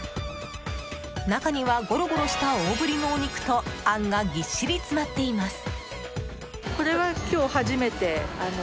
中には、ゴロゴロした大ぶりのお肉とあんがぎっしり詰まっています。